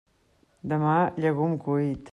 Demà, llegum cuit.